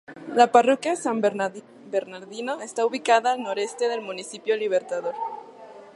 La Parroquia San Bernardino está ubicada al noreste del Municipio Libertador.